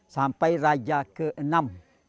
sampai raja ke enam